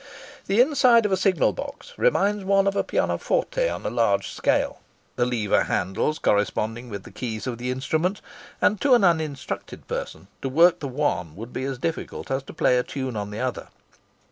The inside of a signal box reminds one of a pianoforte on a large scale, the lever handles corresponding with the keys of the instrument; and, to an uninstructed person, to work the one would be as difficult as to play a tune on the other.